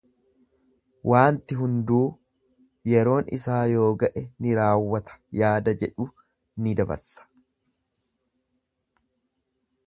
Waanti hunduu yeroon isaa yoo ga'e ni raawwata yaada jedhu ni dabarsa.